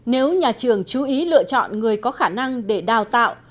nếu nhà trường chú ý lựa chọn người có khả năng để đào tạo